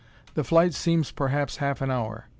The flight seems perhaps half an hour.